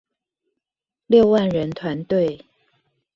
六萬人團隊